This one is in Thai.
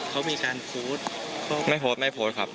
เขามีการโพส